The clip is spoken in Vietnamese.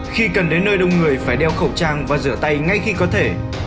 khi cần đến nơi đông người phải đeo khẩu trang và rửa tay ngay khi có thể